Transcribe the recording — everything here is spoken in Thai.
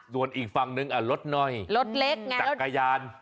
ส่วนอีกฝั่งนึงอ่ะรถน้อยจักรยาน